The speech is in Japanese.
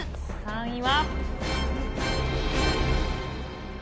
３位は。